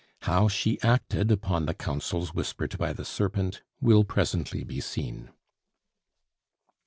How she acted upon the counsels whispered by the serpent will presently be seen.